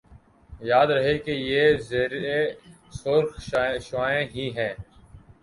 یاد رہے کہ یہ زیریں سرخ شعاعیں ہی ہیں